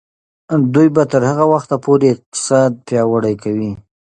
دوی به تر هغه وخته پورې اقتصاد پیاوړی کوي.